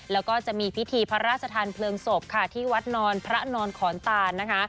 แล้วก็จะมีพิธีพระราชทานเพลิงศพค่ะที่วัดนอนพระนอนขอนตานนะคะ